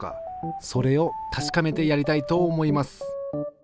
それをたしかめてやりたいと思います。